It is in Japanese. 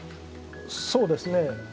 そうですね。